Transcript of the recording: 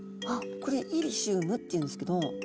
これイリシウムっていうんですけど。